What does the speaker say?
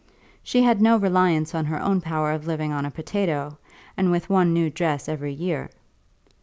She had no reliance on her own power of living on a potato, and with one new dress every year.